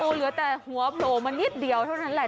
เหลือแต่หัวโผล่มานิดเดียวเท่านั้นแหละ